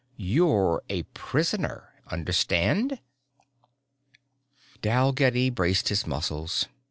You're a prisoner, understand?" Dalgetty braced his muscles.